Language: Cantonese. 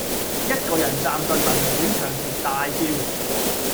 一個人站在民主牆前大叫